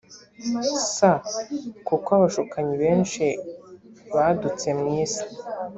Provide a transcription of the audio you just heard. s kuko abashukanyi benshi badutse mu isi